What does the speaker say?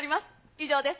以上です。